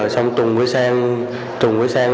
xong tùng với sang tùng với sang